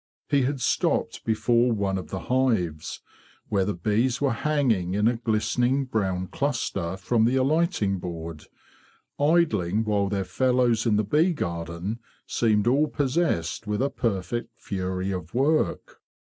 He had stopped before one of the hives, where the bees were hanging in a glistening brown cluster from the alighting board; idling while their fellows in the bee garden seemed all possessed with a perfect fury of work.